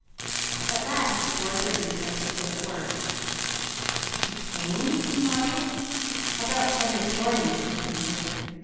At last the boy produced articulate words. "He came?" he marvelled. "About ten this morning," said Peter.